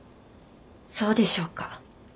そうでしょうか。